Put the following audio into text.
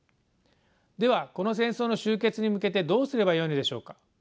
ではこの戦争の終結に向けてどうすればよいのでしょうか？